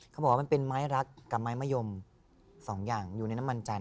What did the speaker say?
เขาบอกว่ามันเป็นไม้รักกับไม้มะยม๒อย่างอยู่ในน้ำมันจันท